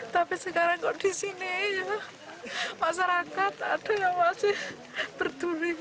tapi sekarang kok di sini masyarakat ada yang masih peduli